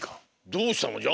どうしたのじゃ？